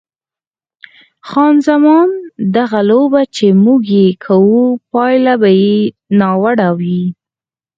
خان زمان: دغه لوبه چې موږ یې کوو پایله به یې ناوړه وي.